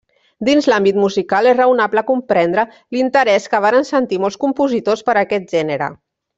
Dins l'àmbit musical, és raonable comprendre l'interès que varen sentir molts compositors per aquest gènere.